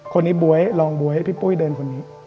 คนนี้บ๊วยลองบ๊วยพี่ปุ้ยเดินคนนี้